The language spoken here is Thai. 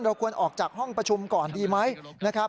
เราควรออกจากห้องประชุมก่อนดีไหม